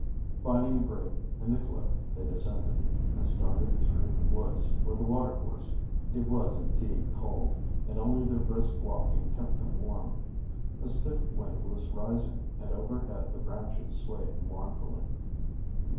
Finding a break in the cliff they descended, and started through the woods for the watercourse. It was indeed cold, and only their brisk walking kept them warm. A stiff wind was rising, and overhead the branches swayed mournfully.